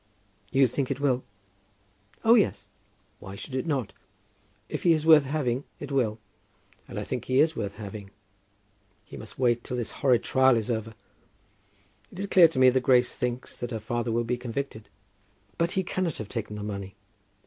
"You think it will?" "Oh, yes. Why should it not? If he is worth having, it will; and I think he is worth having. He must wait till this horrid trial is over. It is clear to me that Grace thinks that her father will be convicted." "But he cannot have taken the money."